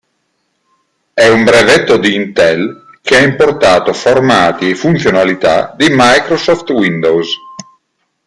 È un brevetto di Intel, che ha importato formati e funzionalità di Microsoft Windows.